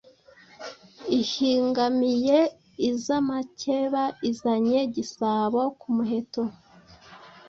Ihingamiye iz'amakeba, Izanye Gisabo ku muheto.